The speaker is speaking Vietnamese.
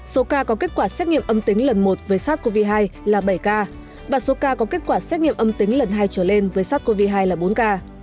số ca có kết quả xét nghiệm âm tính lần một với sars cov hai là bảy ca và số ca có kết quả xét nghiệm âm tính lần hai trở lên với sars cov hai là bốn ca